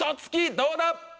どうだ？